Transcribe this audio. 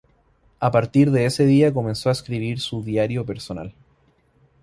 A partir de ese día comenzó a escribir su diario personal.